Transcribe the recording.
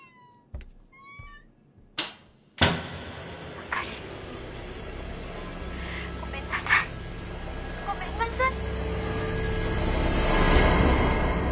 「朱莉ごめんなさい」「ごめんなさい」